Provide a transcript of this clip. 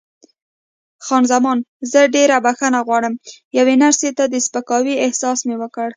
خان زمان: زه ډېره بښنه غواړم، یوې نرسې ته د سپکاوي احساس مې وکړ.